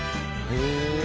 へえ！